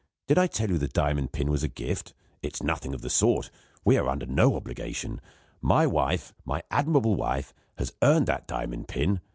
Did I tell you the diamond pin was a gift? It's nothing of the sort; we are under no obligation; my wife, my admirable wife, has earned that diamond pin.